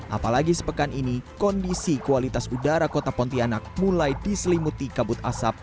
apalagi sepekan ini kondisi kualitas udara kota pontianak mulai diselimuti kabut asap